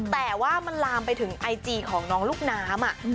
แต่ว่ามันลามไปถึงไอจีของน้องลูกน้ำ